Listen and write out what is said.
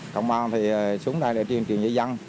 công an xuống đây để truyền truyền với dân